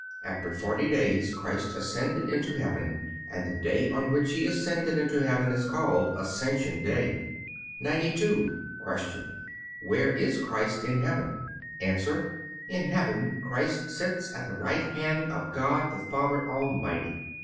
After forty days Christ ascended into heaven, and the day on which He ascended into heaven is called Ascension day. 92. Q. Where is Christ in heaven? A. In heaven Christ sits at the right hand of God the Father Almighty.